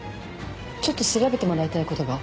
ちょっと調べてもらいたいことが。